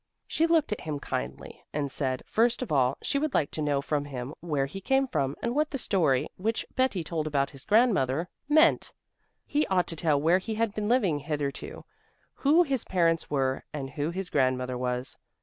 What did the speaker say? She looked at him kindly and said first of all she would like to know from him where he came from, and what the story which Betti told about his grandmother meant; he ought to tell where he had been living hitherto, who his parents were and who his grandmother was.